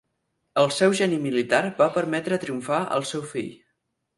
El seu geni militar va permetre triomfar al seu fill.